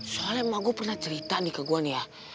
soalnya emang gue pernah cerita nih ke gue nih ya